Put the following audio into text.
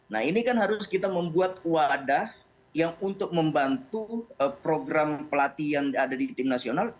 nah ini kan harus kita membuat wadah yang untuk membantu program pelatihan ada di tim nasional